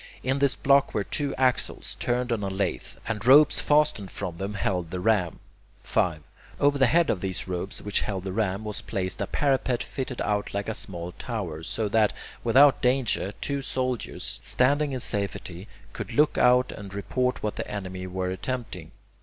In this block were two axles, turned on a lathe, and ropes fastened from them held the ram. 5. Over the head of these (ropes) which held the ram, was placed a parapet fitted out like a small tower, so that, without danger, two soldiers, standing in safety, could look out and report what the enemy were attempting.